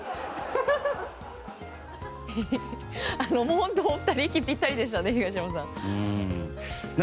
本当にお二人息ぴったりでしたね、東山さん。